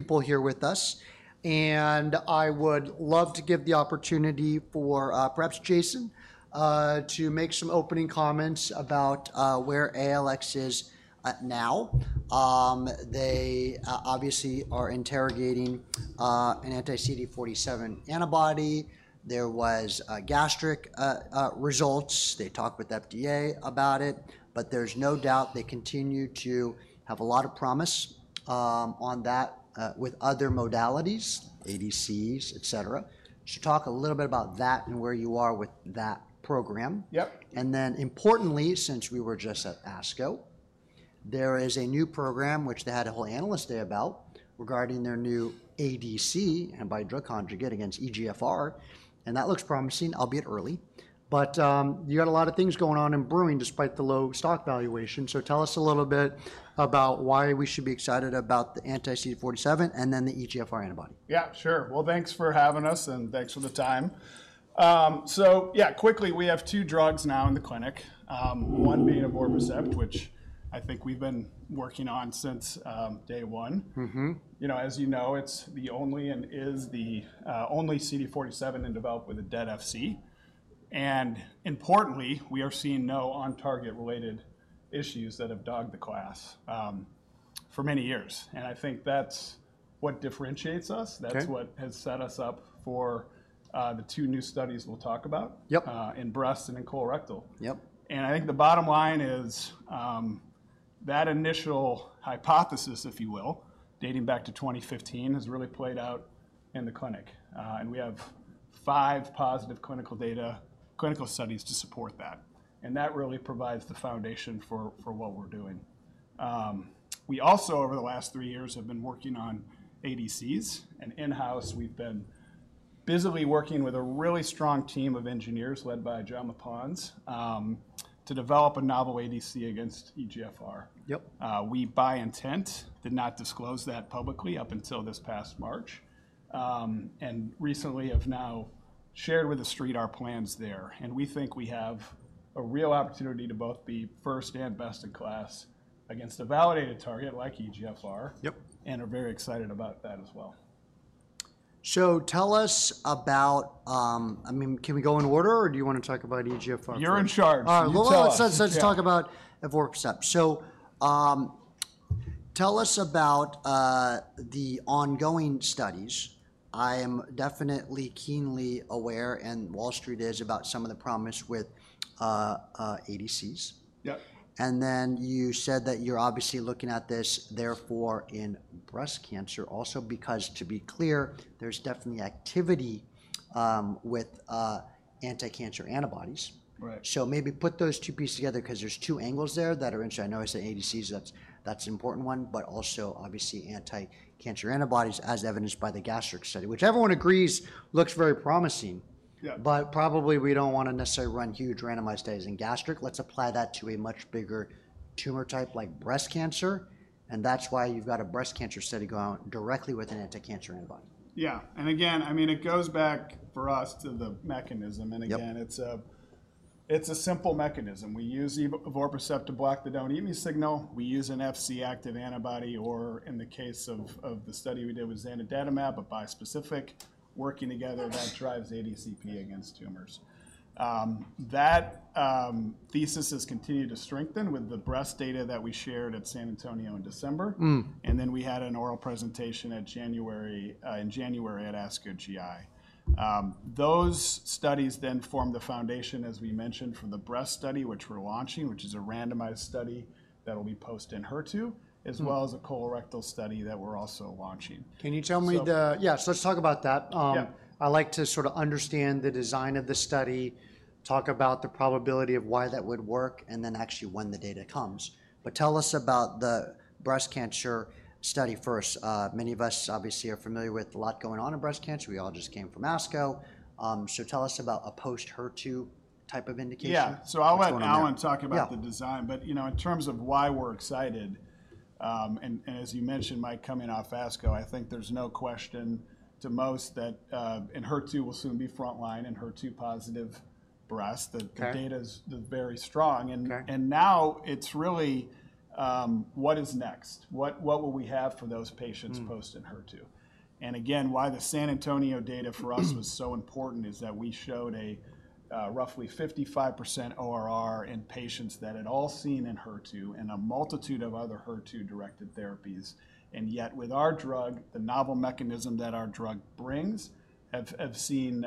People here with us, and I would love to give the opportunity for, perhaps Jason, to make some opening comments about where ALX is now. They obviously are interrogating an anti-CD47 antibody. There was gastric results. They talked with FDA about it, but there's no doubt they continue to have a lot of promise on that, with other modalities, ADCs, et cetera. Talk a little bit about that and where you are with that program. Yep. Then, importantly, since we were just at ASCO, there is a new program, which they had a whole analyst day about regarding their new ADC, antibody drug conjugate against EGFR, and that looks promising, albeit early. You got a lot of things going on in brewing despite the low stock valuation. Tell us a little bit about why we should be excited about the anti-CD47 and then the EGFR antibody. Yeah, sure. Thanks for having us, and thanks for the time. So, yeah, quickly, we have two drugs now in the clinic, one being Evorpacept, which I think we've been working on since day one. Mm-hmm. You know, as you know, it's the only and is the only CD47 and developed with a dead Fc. Importantly, we are seeing no on-target-related issues that have dogged the class for many years. I think that's what differentiates us. Okay. That's what has set us up for, the two new studies we'll talk about. Yep. in breast and in colorectal. Yep. I think the bottom line is, that initial hypothesis, if you will, dating back to 2015, has really played out in the clinic. We have five positive clinical data, clinical studies to support that. That really provides the foundation for what we're doing. We also, over the last three years, have been working on ADCs, and in-house, we've been busily working with a really strong team of engineers led by Jaume Pons, to develop a novel ADC against EGFR. Yep. We, by intent, did not disclose that publicly up until this past March, and recently have now shared with the street our plans there. We think we have a real opportunity to both be first and best in class against a validated target like EGFR. Yep. We are very excited about that as well. Tell us about, I mean, can we go in order, or do you want to talk about EGFR? You're in charge. All right. Let's talk about Evorpacept. Tell us about the ongoing studies. I am definitely keenly aware, and Wall Street is, about some of the promise with ADCs. Yep. You said that you're obviously looking at this, therefore, in breast cancer, also because, to be clear, there's definitely activity, with, anti-cancer antibodies. Right. Maybe put those two pieces together 'cause there's two angles there that are interesting. I know I said ADCs, that's an important one, but also, obviously, anti-cancer antibodies as evidenced by the gastric study, which everyone agrees looks very promising. Yeah. Probably we don't want to necessarily run huge randomized studies in gastric. Let's apply that to a much bigger tumor type like breast cancer. That's why you've got a breast cancer study going directly with an anti-cancer antibody. Yeah. I mean, it goes back for us to the mechanism. Yeah. It's a simple mechanism. We use Evorpacept to block the don't-eat-me signal. We use an Fc active antibody, or in the case of the study we did with Zanidatamab, a bispecific, working together that drives ADCP against tumors. That thesis has continued to strengthen with the breast data that we shared at San Antonio in December. Mm-hmm. We had an oral presentation in January at ASCO GI. Those studies then form the foundation, as we mentioned, for the breast study, which we're launching, which is a randomized study that'll be posted in HER2, as well as a colorectal study that we're also launching. Can you tell me the, yeah, so let's talk about that. Yeah. I like to sort of understand the design of the study, talk about the probability of why that would work, and then actually when the data comes. Tell us about the breast cancer study first. Many of us obviously are familiar with a lot going on in breast cancer. We all just came from ASCO. Tell us about a post-HER2 type of indication. Yeah. I'll let Alan talk about the design. Yeah. You know, in terms of why we're excited, and, and as you mentioned, Mike, coming off ASCO, I think there's no question to most that, in HER2, we'll soon be frontline in HER2-positive breast. Okay. The data's very strong. Okay. Now it's really, what is next? What will we have for those patients post-HER2? Why the San Antonio data for us was so important is that we showed a roughly 55% ORR in patients that had all seen HER2 and a multitude of other HER2-directed therapies. Yet, with our drug, the novel mechanism that our drug brings, have seen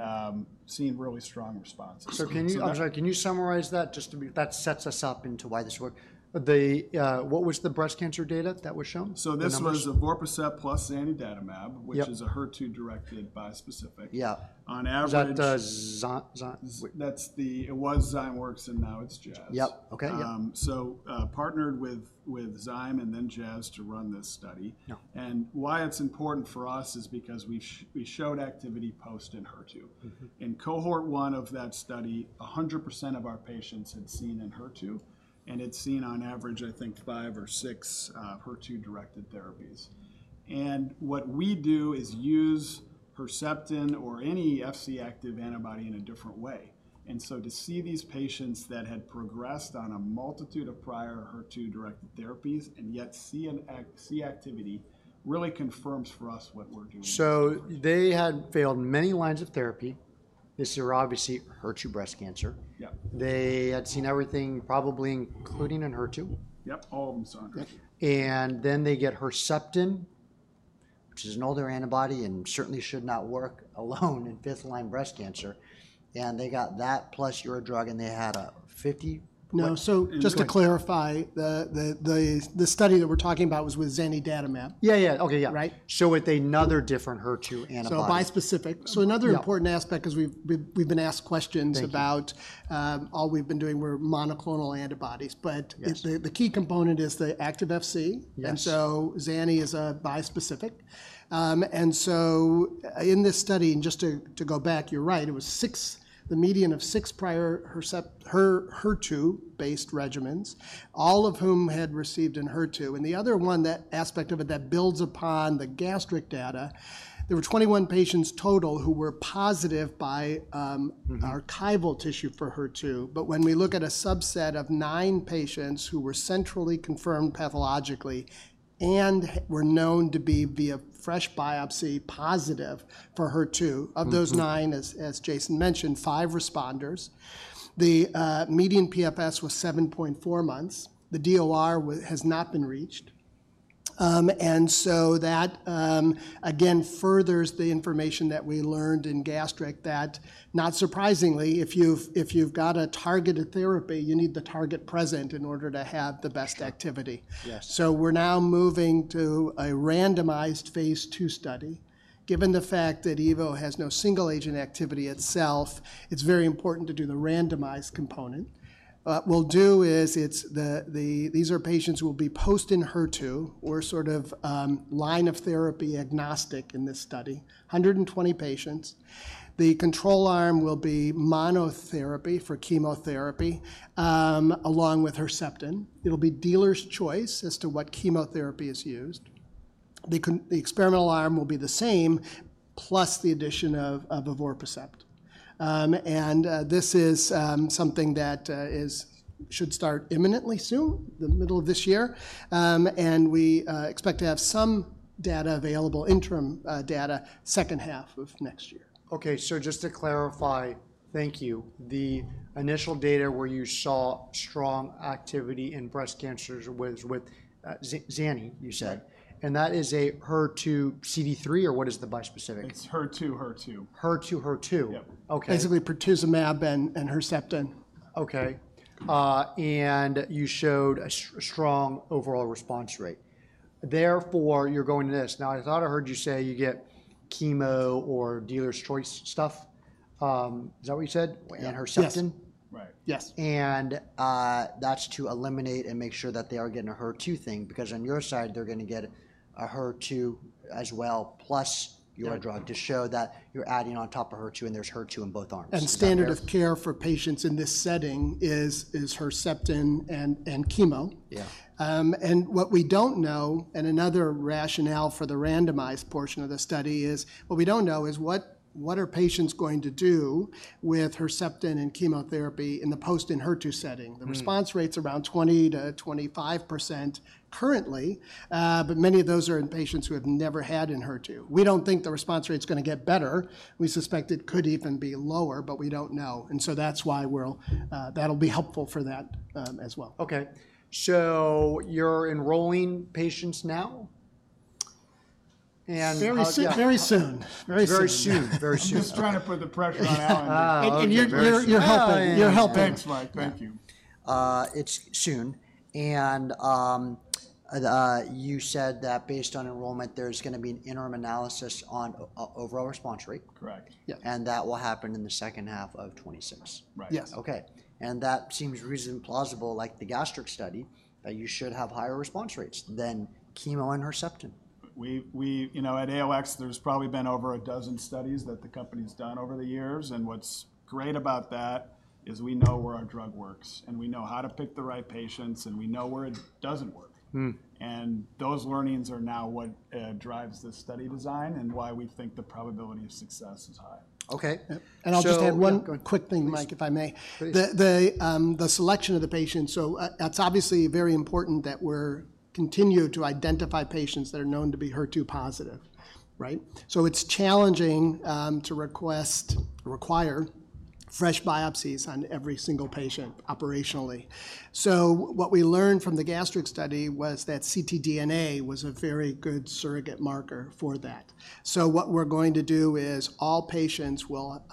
really strong responses. Can you, I'm sorry, can you summarize that just to be, that sets us up into why this works? What was the breast cancer data that was shown? This was Evorpacept plus Zanidatamab. Yeah. Which is a HER2-directed bispecific. Yeah. On average. Is that Zanidatamab? That's the, it was Zymeworks, and now it's Jazz. Yep. Okay. So, partnered with Zyme and then Jazz to run this study. Yeah. Why it's important for us is because we've, we showed activity post-HER2. Mm-hmm. In Cohort One of that study, 100% of our patients had seen HER2, and had seen on average, I think, five or six HER2-directed therapies. What we do is use Herceptin or any Fc active antibody in a different way. To see these patients that had progressed on a multitude of prior HER2-directed therapies and yet see activity really confirms for us what we're doing. They had failed many lines of therapy. This is obviously HER2 breast cancer. Yep. They had seen everything, probably including in HER2. Yep. All of them saw HER2. They get Herceptin, which is an older antibody and certainly should not work alone in fifth-line breast cancer. They got that plus your drug, and they had a 50. No, so. Just to clarify, the study that we're talking about was with Zanidatamab. Yeah, okay. Yeah. Right? So, with another different HER2 antibody. So, bispecific. Mm-hmm. Another important aspect, 'cause we've been asked questions about, all we've been doing were monoclonal antibodies. Yes. The key component is the active Fc. Yes. Zany is a bispecific. In this study, and just to go back, you're right, it was six, the median of six prior HER2-based regimens, all of whom had received in HER2. The other aspect of it that builds upon the gastric data, there were 21 patients total who were positive by archival tissue for HER2. When we look at a subset of nine patients who were centrally confirmed pathologically and were known to be via fresh biopsy positive for HER2, of those nine, as Jason mentioned, five responders. The median PFS was 7.4 months. The DOR has not been reached. That, again, furthers the information that we learned in gastric that, not surprisingly, if you've got a targeted therapy, you need the target present in order to have the best activity. Yes. We're now moving to a randomized phase II study. Given the fact that Evo has no single-agent activity itself, it's very important to do the randomized component. What we'll do is, these are patients who will be post-HER2 or sort of line of therapy agnostic in this study, 120 patients. The control arm will be monotherapy for chemotherapy, along with Herceptin. It'll be dealer's choice as to what chemotherapy is used. The experimental arm will be the same, plus the addition of Evorpacept. This is something that should start imminently, soon, the middle of this year. We expect to have some data available, interim data, second half of next year. Okay. Just to clarify, thank you. The initial data where you saw strong activity in breast cancers was with Zanidatamab, you said. Yep. Is that a HER2-CD3 or what is the bispecific? It's HER2-HER2. HER2-HER2. Yep. Okay. Basically, Pertuzumab and Herceptin. Okay. And you showed a strong overall response rate. Therefore, you're going to this. Now, I thought I heard you say you get chemo or dealer's choice stuff. Is that what you said? Yes. And Herceptin. Yes. Right. Yes. That's to eliminate and make sure that they are getting a HER2 thing because on your side, they're gonna get a HER2 as well, plus your drug. Right. To show that you're adding on top of HER2 and there's HER2 in both arms. Standard of care for patients in this setting is Herceptin and chemo. Yeah. What we don't know, and another rationale for the randomized portion of the study is, what we don't know is what are patients going to do with Herceptin and chemotherapy in the post-HER2 setting? Mm-hmm. The response rate's around 20-25% currently, but many of those are in patients who have never had in HER2. We don't think the response rate's gonna get better. We suspect it could even be lower, but we don't know. That's why we'll, that'll be helpful for that, as well. Okay. So, you're enrolling patients now? And how soon? Very soon. Very soon. Very soon. Very soon. Just trying to put the pressure on Alan. you're helping. You're helping. Thanks, Mike. Thank you. It's soon. You said that based on enrollment, there's gonna be an interim analysis on overall response rate. Correct. Yep. That will happen in the second half of 2026. Right. Yes. Okay. That seems reasonably plausible, like the gastric study, that you should have higher response rates than chemo and Herceptin. We, you know, at ALX, there's probably been over a dozen studies that the company's done over the years. What's great about that is we know where our drug works, and we know how to pick the right patients, and we know where it doesn't work. Those learnings are now what drives this study design and why we think the probability of success is high. Okay. Yep. I'll just add one. Just one. Quick thing, Mike, if I may. Please. The selection of the patients, so, that's obviously very important that we continue to identify patients that are known to be HER2 positive, right? It's challenging to request, require fresh biopsies on every single patient operationally. What we learned from the gastric study was that CT DNA was a very good surrogate marker for that. What we're going to do is all patients will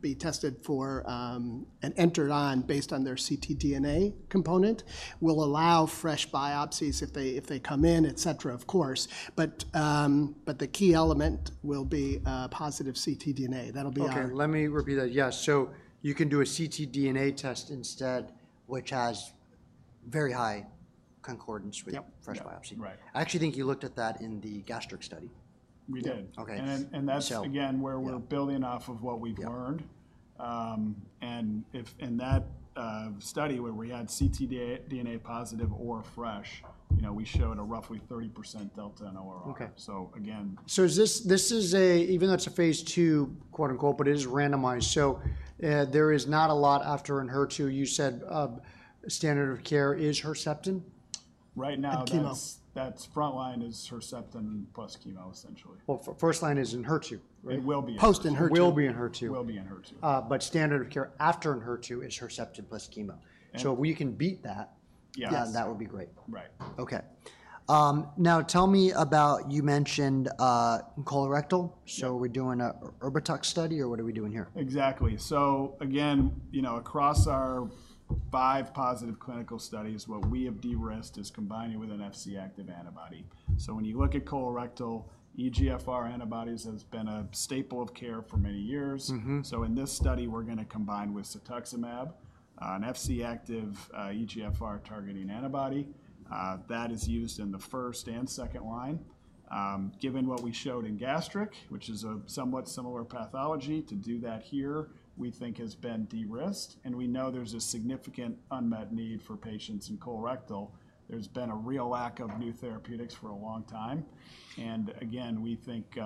be tested for, and entered on based on their CT DNA component. We'll allow fresh biopsies if they come in, et cetera, of course. The key element will be positive CT DNA. That'll be our. Okay. Let me repeat that. Yes. You can do a CT DNA test instead, which has very high concordance with. Yep. Fresh biopsy. Right. I actually think you looked at that in the gastric study. We did. Okay. That's. So. Again, where we're building off of what we've learned. Yeah. if, in that study where we had CT DNA positive or fresh, you know, we showed a roughly 30% delta in ORR. Okay. So, again. Is this, this is a, even though it's a phase II, quote unquote, but it is randomized. There is not a lot after in HER2. You said standard of care is Herceptin. Right now, that's. Chemo. That's frontline is Herceptin plus chemo, essentially. First line is in HER2, right? It will be in HER2. Posting HER2. It will be in HER2. Standard of care after in HER2 is Herceptin plus chemo. And. If we can beat that. Yes. That would be great. Right. Okay. Now tell me about, you mentioned, colorectal. Mm-hmm. Are we doing a [TUX] study or what are we doing here? Exactly. So, again, you know, across our five positive clinical studies, what we have de-risked is combining with an Fc active antibody. So, when you look at colorectal EGFR antibodies, that's been a staple of care for many years. Mm-hmm. In this study, we're gonna combine with Cetuximab, an Fc active, EGFR targeting antibody, that is used in the first and second line. Given what we showed in gastric, which is a somewhat similar pathology, to do that here, we think has been de-risked. We know there's a significant unmet need for patients in colorectal. There's been a real lack of new therapeutics for a long time. Again, we think,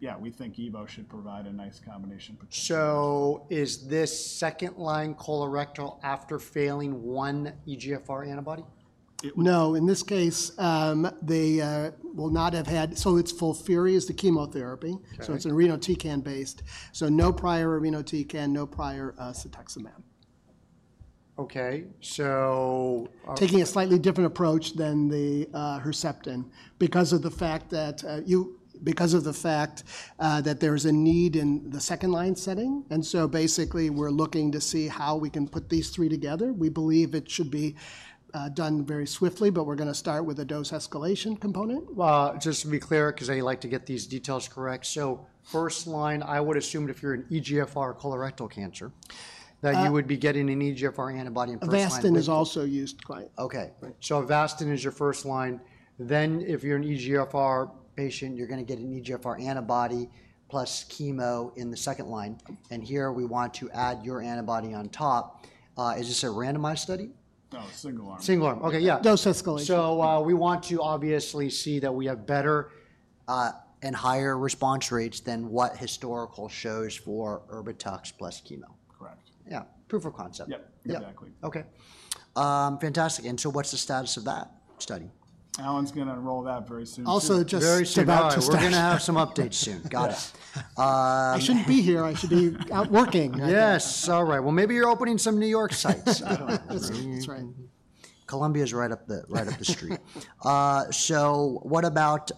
yeah, we think Evo should provide a nice combination potential. Is this second line colorectal after failing one EGFR antibody? No, in this case, they will not have had, so it's FOLFIRI is the chemotherapy. Okay. So, it's an irinotecan based. So, no prior Irinotecan, no prior Cetuximab. Okay. So. Taking a slightly different approach than the Herceptin because of the fact that you, because of the fact that there's a need in the second line setting. Basically, we're looking to see how we can put these three together. We believe it should be done very swiftly, but we're gonna start with a dose escalation component. Just to be clear, 'cause I like to get these details correct. So, first line, I would assume if you're an EGFR colorectal cancer. Yes. That you would be getting an EGFR antibody in first line. Avastin is also used quite. Okay. Right. Avastin is your first line. Then, if you're an EGFR patient, you're gonna get an EGFR antibody plus chemo in the second line. And here, we want to add your antibody on top. Is this a randomized study? No, single arm. Single arm. Okay. Yeah. Dose escalation. We want to obviously see that we have better and higher response rates than what historical shows for Ritux plus chemo. Correct. Yeah. Proof of concept. Yep. Yep. Exactly. Yep. Okay. Fantastic. And so, what's the status of that study? Alan's gonna enroll that very soon. Also, just. Very soon. About to. Just. We're gonna have some updates soon. Got it. I shouldn't be here. I should be out working. Yes. All right. Maybe you're opening some New York sites. I don't know. That's right. Columbia's right up the, right up the street. Yeah. So, what about,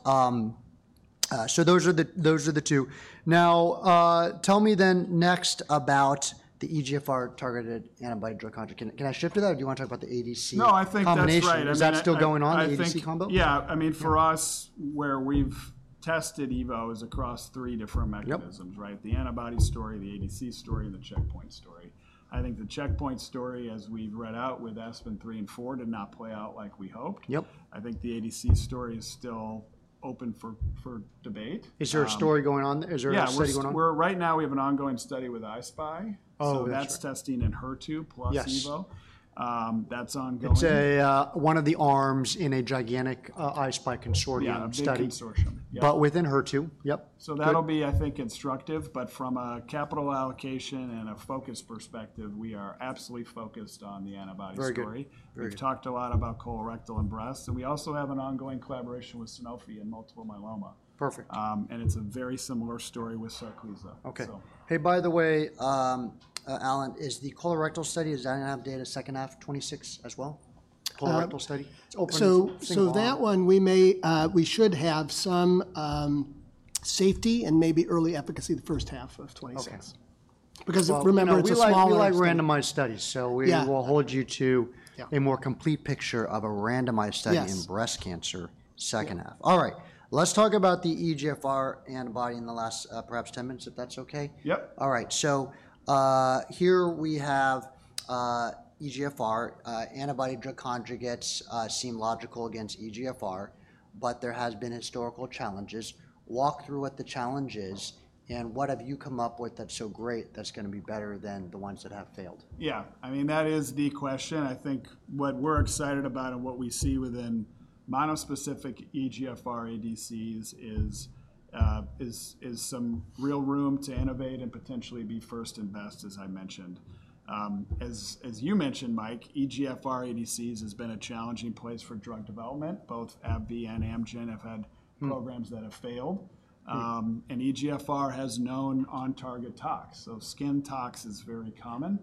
so those are the, those are the two. Now, tell me then next about the EGFR targeted antibody drug conjugate. Can, can I shift to that or do you want to talk about the ADC combination? No, I think that's right. Is that still going on, the ADC combo? Yeah. I mean, for us, where we've tested Evo is across three different mechanisms. Yep. Right? The antibody story, the ADC story, and the checkpoint story. I think the checkpoint story, as we've read out with ASPEN-03 and 04, did not play out like we hoped. Yep. I think the ADC story is still open for debate. Is there a story going on? Is there a study going on? Yeah. We're, we're right now, we have an ongoing study with I-SPY. Oh, okay. That's testing in HER2 plus Evo. Yes. that's ongoing. It's a, one of the arms in a gigantic, I-SPY consortium study. Yeah. A gigantic consortium. Within HER2. Yep. That'll be, I think, instructive. From a capital allocation and a focus perspective, we are absolutely focused on the antibody story. Very good. We've talked a lot about colorectal and breast. We also have an ongoing collaboration with Sanofi in multiple myeloma. Perfect. and it's a very similar story with SARCLISA. Okay. So. Hey, by the way, Alan, is the colorectal study, is that an update in the second half of 2026 as well? Colorectal study? It's open to single. So that one, we may, we should have some safety and maybe early efficacy the first half of 2026. Okay. Because remember, it's small. We like randomized studies. So, we will hold you to. Yeah. A more complete picture of a randomized study in breast cancer second half. All right. Let's talk about the EGFR antibody in the last, perhaps 10 minutes, if that's okay. Yep. All right. Here we have EGFR antibody drug conjugates, seem logical against EGFR, but there have been historical challenges. Walk through what the challenge is and what have you come up with that's so great that's gonna be better than the ones that have failed. Yeah. I mean, that is the question. I think what we're excited about and what we see within monospecific EGFR ADCs is some real room to innovate and potentially be first and best, as I mentioned. As you mentioned, Mike, EGFR ADCs has been a challenging place for drug development. Both AbbVie and Amgen have had programs that have failed. Yep. EGFR has known on-target tox. Skin tox is very common,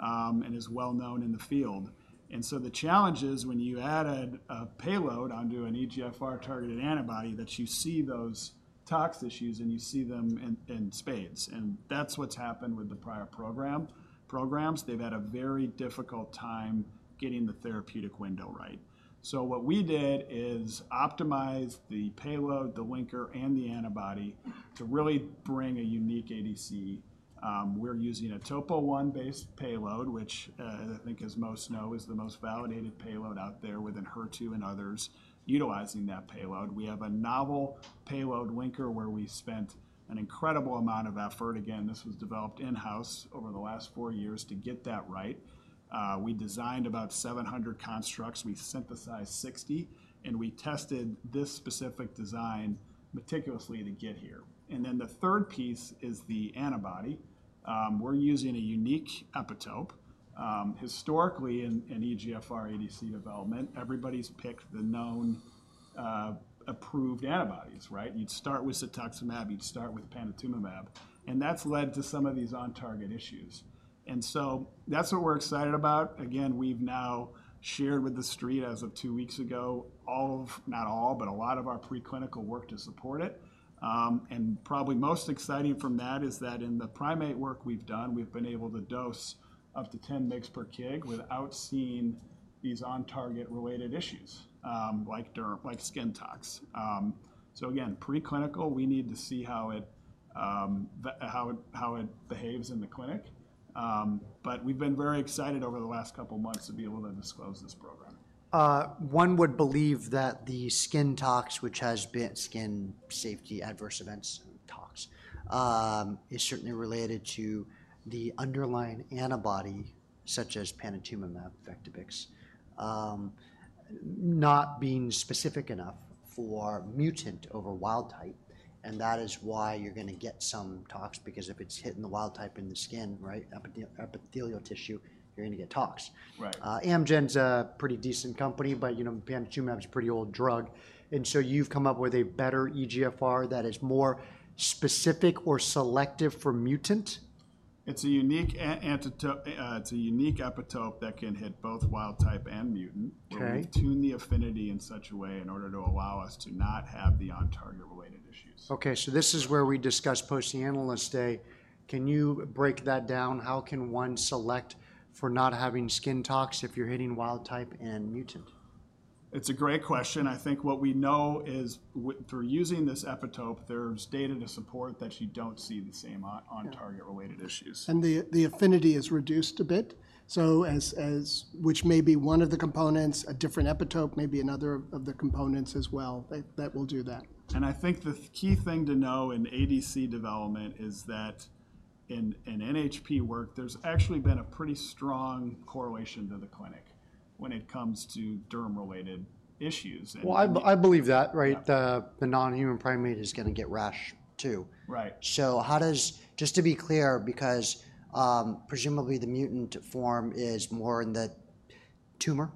and is well known in the field. The challenge is when you add a payload onto an EGFR targeted antibody that you see those tox issues and you see them in spades. That's what's happened with the prior programs. They've had a very difficult time getting the therapeutic window right. What we did is optimize the payload, the linker, and the antibody to really bring a unique ADC. We're using a Topo1 based payload, which, I think as most know, is the most validated payload out there within HER2 and others utilizing that payload. We have a novel payload linker where we spent an incredible amount of effort. This was developed in-house over the last four years to get that right. We designed about 700 constructs. We synthesized 60, and we tested this specific design meticulously to get here. The third piece is the antibody. We're using a unique epitope. Historically, in EGFR ADC development, everybody's picked the known, approved antibodies, right? You'd start with Cetuximab, you'd start with Panitumumab, and that's led to some of these on-target issues. That's what we're excited about. Again, we've now shared with the street as of two weeks ago, not all, but a lot of our preclinical work to support it. Probably most exciting from that is that in the primate work we've done, we've been able to dose up to 10 mg/kg without seeing these on-target related issues, like derm, like skin tox. Again, preclinical, we need to see how it behaves in the clinic. We have been very excited over the last couple months to be able to disclose this program. One would believe that the skin tox, which has been skin safety adverse events tox, is certainly related to the underlying antibody such as Panitumumab, Vectibix, not being specific enough for mutant over wild type. That is why you're gonna get some tox, because if it's hit in the wild type in the skin, right, epithelial tissue, you're gonna get tox. Right. Amgen's a pretty decent company, but, you know, Panitumumab's a pretty old drug. You have come up with a better EGFR that is more specific or selective for mutant? It's a unique epitope that can hit both wild type and mutant. Okay. Where we tune the affinity in such a way in order to allow us to not have the on-target related issues. Okay. This is where we discuss posting analyst day. Can you break that down? How can one select for not having skin tox if you're hitting wild type and mutant? It's a great question. I think what we know is through using this epitope, there's data to support that you don't see the same on-target related issues. The affinity is reduced a bit. As which may be one of the components, a different epitope may be another of the components as well that will do that. I think the key thing to know in ADC development is that in NHP work, there's actually been a pretty strong correlation to the clinic when it comes to derm related issues. I believe that, right? The non-human primate is gonna get rash too. Right. How does, just to be clear, because presumably the mutant form is more in the tumor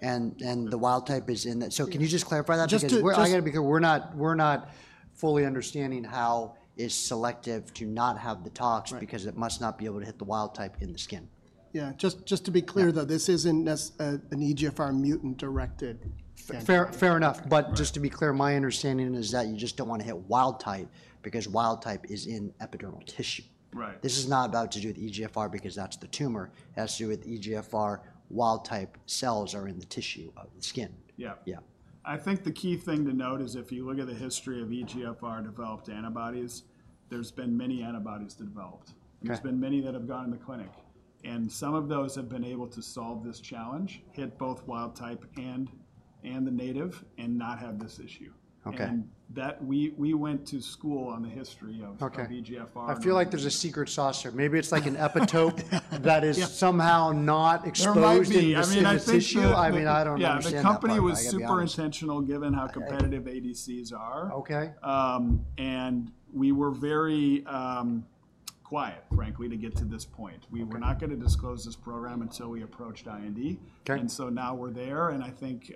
and the wild type is in that. Can you just clarify that? Just to. Because we're, I gotta be clear, we're not, we're not fully understanding how it's selective to not have the tox. Right. Because it must not be able to hit the wild type in the skin. Yeah. Just to be clear though, this isn't necessarily an EGFR mutant directed. Fair. Fair, fair enough. Just to be clear, my understanding is that you just don't wanna hit wild type because wild type is in epidermal tissue. Right. This is not about to do with EGFR because that's the tumor. It has to do with EGFR wild type cells are in the tissue of the skin. Yep. Yeah. I think the key thing to note is if you look at the history of EGFR developed antibodies, there's been many antibodies that developed. Okay. There's been many that have gone in the clinic, and some of those have been able to solve this challenge, hit both wild type and the native and not have this issue. Okay. We went to school on the history of. Okay. EGFR. I feel like there's a secret sauce here. Maybe it's like an epitope that is somehow not exposed to the EGFR tissue. I mean, I think, I don't understand. Yeah. The company was super intentional given how competitive ADCs are. Okay. and we were very quiet, frankly, to get to this point. We were not gonna disclose this program until we approached IND. Okay. Now we're there. I think,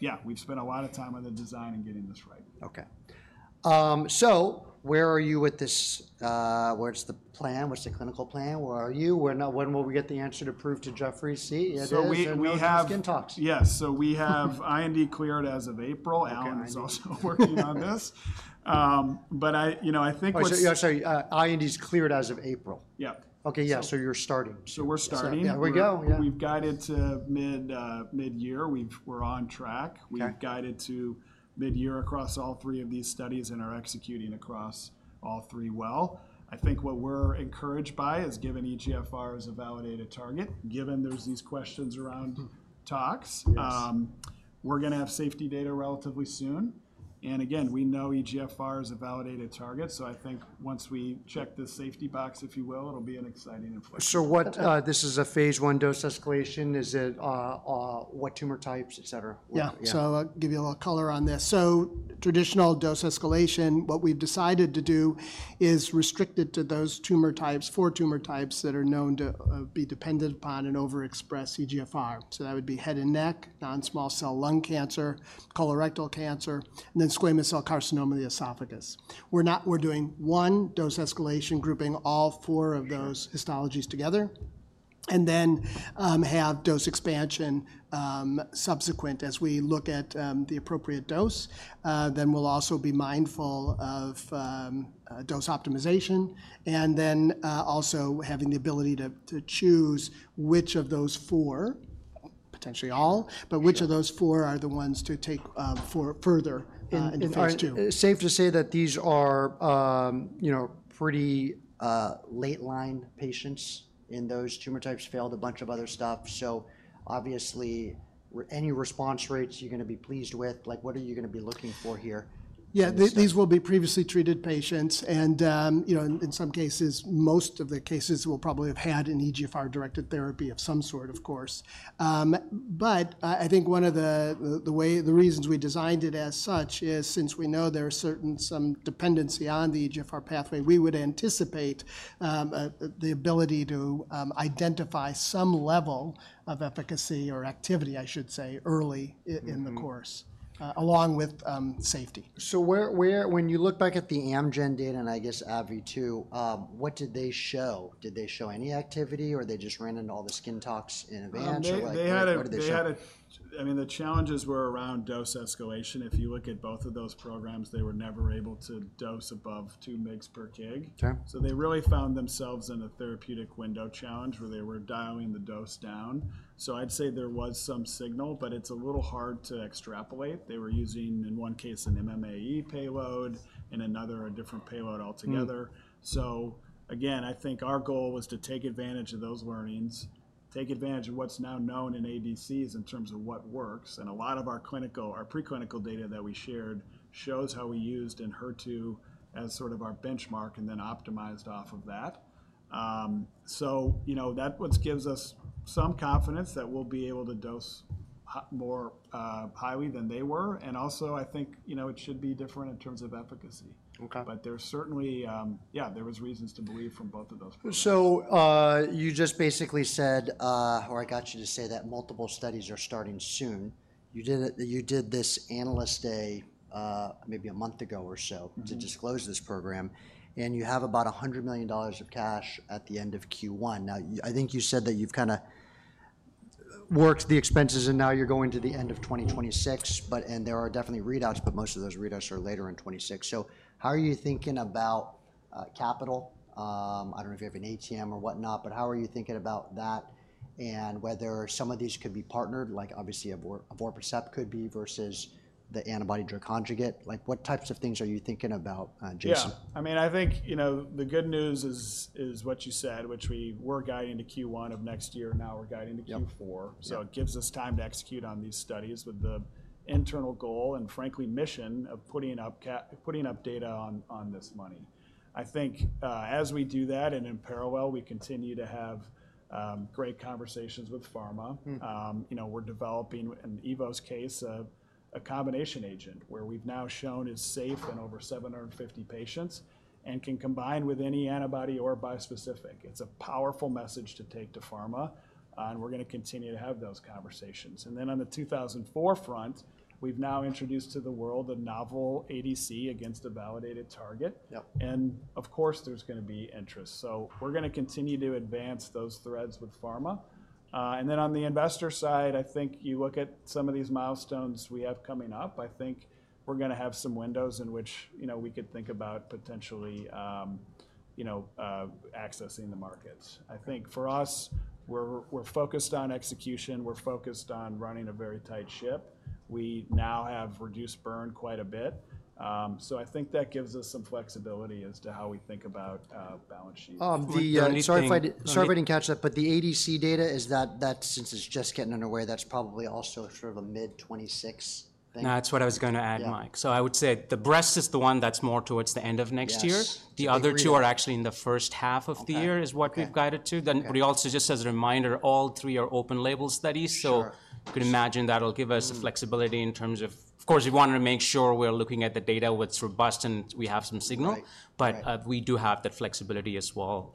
yeah, we've spent a lot of time on the design and getting this right. Okay. So, where are you with this? What's the plan? What's the clinical plan? Where are you? When will we get the answer to prove to Jeffrey C? We have. Skin tox. Yes. We have IND cleared as of April. Okay. Alan's also working on this. But I, you know, I think. Oh, you're sorry. IND's cleared as of April. Yep. Okay. Yeah. So, you're starting. We're starting. There we go. Yeah. We've guided to mid, mid-year. We're on track. Okay. We've guided to mid-year across all three of these studies and are executing across all three well. I think what we're encouraged by is given EGFR is a validated target, given there's these questions around tox. Yes. We're gonna have safety data relatively soon. Again, we know EGFR is a validated target. I think once we check the safety box, if you will, it'll be an exciting inflection. What, this is a phase I dose escalation? Is it, what tumor types, et cetera? Yeah. Yeah. I'll give you a little color on this. Traditional dose escalation, what we've decided to do is restrict it to those tumor types, four tumor types that are known to be dependent upon and overexpress EGFR. That would be head and neck, non-small cell lung cancer, colorectal cancer, and then squamous cell carcinoma of the esophagus. We're not doing one dose escalation grouping all four of those histologies together, and then have dose expansion subsequent as we look at the appropriate dose. Then we'll also be mindful of dose optimization. Also having the ability to choose which of those four, potentially all, but which of those four are the ones to take further in phase two. All right. Safe to say that these are, you know, pretty late line patients in those tumor types, failed a bunch of other stuff. So, obviously, any response rates you're gonna be pleased with. Like, what are you gonna be looking for here? Yeah. These will be previously treated patients. And, you know, in some cases, most of the cases will probably have had an EGFR directed therapy of some sort, of course. I think one of the reasons we designed it as such is since we know there's some dependency on the EGFR pathway, we would anticipate the ability to identify some level of efficacy or activity, I should say, early in the course, along with safety. Where, where, when you look back at the Amgen data and I guess AbbVie too, what did they show? Did they show any activity or they just ran into all the skin tox in advance or like? They had a, I mean, the challenges were around dose escalation. If you look at both of those programs, they were never able to dose above 2 mg/kg. Okay. They really found themselves in a therapeutic window challenge where they were dialing the dose down. I'd say there was some signal, but it's a little hard to extrapolate. They were using in one case an MMAE payload and another a different payload altogether. Again, I think our goal was to take advantage of those learnings, take advantage of what's now known in ADCs in terms of what works. A lot of our clinical, our preclinical data that we shared shows how we used in HER2 as sort of our benchmark and then optimized off of that. You know, that gives us some confidence that we'll be able to dose more highly than they were. Also, I think, you know, it should be different in terms of efficacy. Okay. There is certainly, yeah, there was reasons to believe from both of those programs. You just basically said, or I got you to say that multiple studies are starting soon. You did this analyst day, maybe a month ago or so. Mm-hmm. To disclose this program. You have about $100 million of cash at the end of Q1. I think you said that you've kinda worked the expenses and now you're going to the end of 2026, but there are definitely readouts, but most of those readouts are later in 2026. How are you thinking about capital? I don't know if you have an ATM or whatnot, but how are you thinking about that and whether some of these could be partnered, like obviously Evorpacept could be versus the antibody drug conjugate? What types of things are you thinking about, Jason? Yeah. I mean, I think, you know, the good news is, is what you said, which we were guiding to Q1 of next year. Now we're guiding to Q4. Yep. It gives us time to execute on these studies with the internal goal and frankly mission of putting up, putting up data on this money. I think, as we do that and in parallel, we continue to have great conversations with pharma. Mm-hmm. you know, we're developing in Evo's case, a combination agent where we've now shown is safe in over 750 patients and can combine with any antibody or bispecific. It's a powerful message to take to pharma. We're gonna continue to have those conversations. On the 2004 front, we've now introduced to the world a novel ADC against a validated target. Yep. Of course, there's gonna be interest. We're gonna continue to advance those threads with pharma. On the investor side, I think you look at some of these milestones we have coming up, I think we're gonna have some windows in which, you know, we could think about potentially, you know, accessing the markets. I think for us, we're focused on execution. We're focused on running a very tight ship. We now have reduced burn quite a bit. I think that gives us some flexibility as to how we think about balance sheet. Sorry if I, sorry if I didn't catch that, but the ADC data, is that, that since it's just getting underway, that's probably also sort of a mid 2026 thing. That's what I was gonna add, Mike. I would say the breast is the one that's more towards the end of next year. Yes. The other two are actually in the first half of the year is what we've guided to. Then we also, just as a reminder, all three are open label studies. Sure. You could imagine that'll give us flexibility in terms of, of course, we wanna make sure we're looking at the data with robust and we have some signal. Right. We do have that flexibility as well.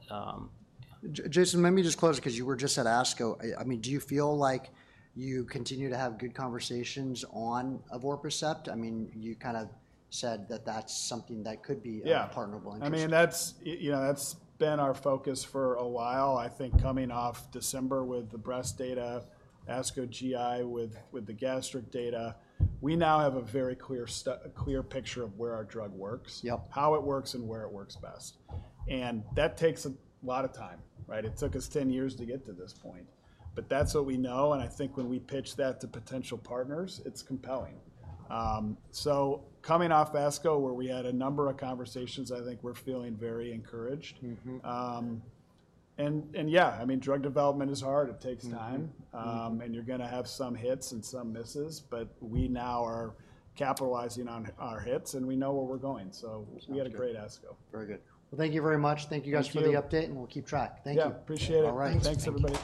Jason, let me just close 'cause you were just at ASCO. I mean, do you feel like you continue to have good conversations on Evorpacept? I mean, you kind of said that that's something that could be. Yeah. A partnerable interest. I mean, that's, you know, that's been our focus for a while. I think coming off December with the breast data, ASCO GI with the gastric data, we now have a very clear picture of where our drug works. Yep. How it works and where it works best. That takes a lot of time, right? It took us 10 years to get to this point, but that's what we know. I think when we pitch that to potential partners, it's compelling. Coming off ASCO where we had a number of conversations, I think we're feeling very encouraged. Mm-hmm. And yeah, I mean, drug development is hard. It takes time. Mm-hmm. You're gonna have some hits and some misses, but we now are capitalizing on our hits and we know where we're going. We had a great ASCO. Very good. Thank you very much. Thank you guys for the update and we'll keep track. Thank you. Yeah. Appreciate it. All right. Thanks everybody.